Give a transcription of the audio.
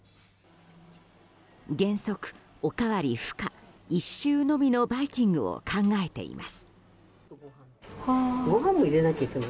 原則、おかわり不可１周のみのバイキングを考えています。